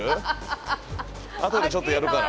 あとでちょっとやるから。